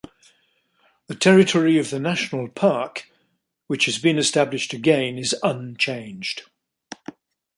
The territory of the national park, which has been established again, is unchanged.